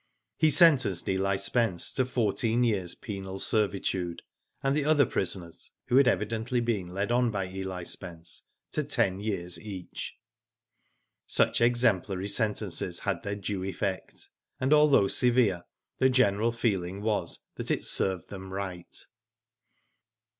He sentenced Eli Spence to fourteen years' penal servitude, and the other prisoners, who had evidently been led on by Eli Spence, to ten years each. Such exemplary sentences had their due eflFect> and although severe the general feeling was that it " served them right."